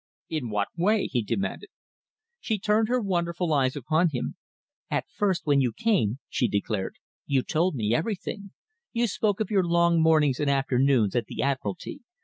"In what way?" he demanded. She turned her wonderful eyes upon him. "At first when you came," she declared, "you told me everything. You spoke of your long mornings and afternoons at the Admiralty.